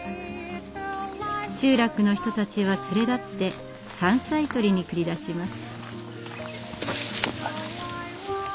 集落の人たちは連れ立って山菜採りに繰り出します。